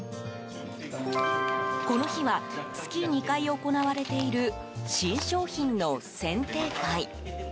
この日は月２回行われている新商品の選定会。